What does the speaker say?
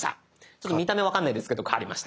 ちょっと見た目分かんないですけど変わりました。